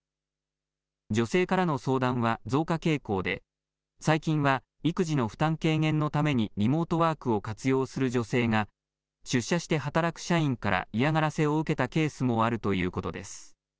女性からの相談は増加傾向で最近は育児の負担軽減のためにリモートワークを活用する女性が出社して働く社員から嫌がらせを受けたケースもあるということです。